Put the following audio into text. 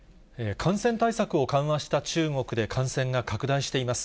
感染対策を緩和した中国で感染が拡大しています。